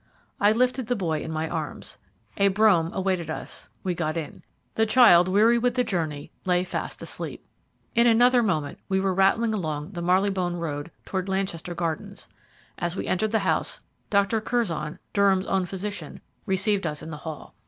I lifted the boy in my arms. A brougham awaited us; we got in. The child, weary with the journey, lay fast asleep. In another moment we were rattling along the Marylebone Road towards Lanchester Gardens. As we entered the house, Dr. Curzon, Durham's own physician, received us in the hall.